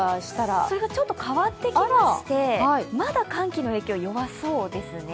それがちょっと変わってきましてまだ寒気は弱そうですね。